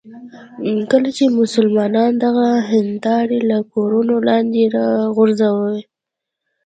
کله چې مسلمانان دغه هندارې له کورونو لاندې راوغورځوي.